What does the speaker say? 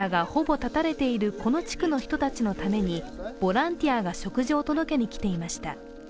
生活インフラがほぼ断たれているこの地区の人たちのためにボランティアが食事を届けに来ていました。